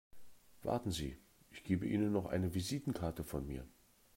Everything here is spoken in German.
Warten Sie, ich gebe Ihnen noch eine Visitenkarte von mir.